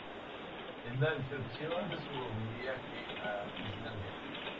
En la descripción de su viaje a Islandia.